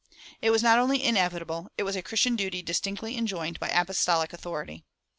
It was not only inevitable; it was a Christian duty distinctly enjoined by apostolic authority.